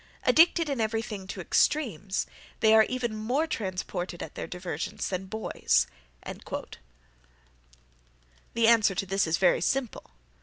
Addicted in every thing to extremes, they are even more transported at their diversions than boys." The answer to this is very simple.